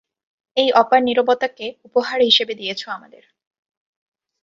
এই অপার নীরবতাকে উপহার হিসেবে দিয়েছ আমাদের।